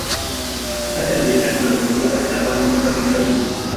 Har yanzu ina tuna abubuwa da dama na makarantarmu.